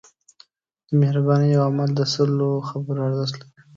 د مهربانۍ یو عمل د سلو خبرو ارزښت لري.